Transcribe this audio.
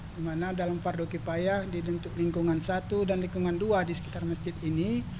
dimana dalam fardu kifaya di lingkungan satu dan lingkungan dua di sekitar masjid ini